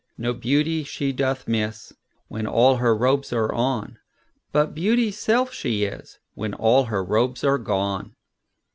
No beauty she doth missWhen all her robes are on; But Beauty's self she isWhen all her robes are gone.